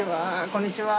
こんにちは。